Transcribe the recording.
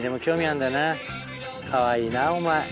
かわいいなお前。